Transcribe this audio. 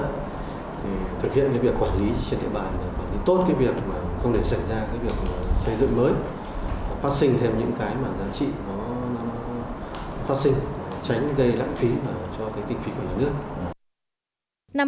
thì thực hiện cái việc quản lý trên địa bàn và tốt cái việc mà không để xảy ra cái việc xây dựng mới